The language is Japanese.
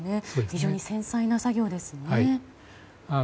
非常に繊細な作業ですね。